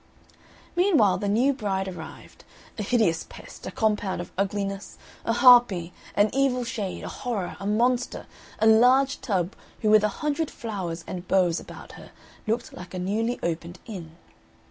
Meanwhile the new bride arrived a hideous pest, a compound of ugliness, a harpy, an evil shade, a horror, a monster, a large tub, who with a hundred flowers and boughs about her looked like a newly opened inn.